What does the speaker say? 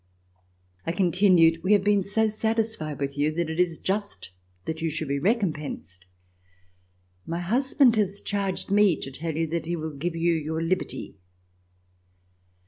I continued: "We have been so satisfied with you that it is just that you should be recompensed. My husband has charged me to tell you that he will give you your liberty."